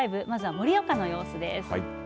盛岡の様子です。